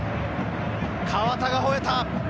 河田が吠えた！